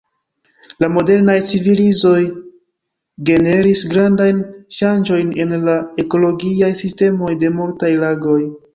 La modernaj civilizoj generis grandajn ŝanĝojn en la ekologiaj sistemoj de multaj lagoj.